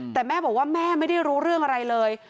แต่แม่บอกว่าแม่ไม่ได้รู้เรื่องอะไรเลย